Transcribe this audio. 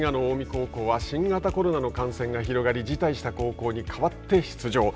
滋賀の近江高校は新型コロナの感染が広がり辞退した高校にかわって出場。